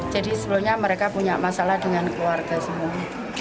jadi sebelumnya mereka punya masalah dengan keluarga semua